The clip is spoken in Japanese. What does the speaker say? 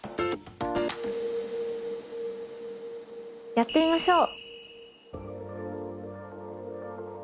やってみましょう。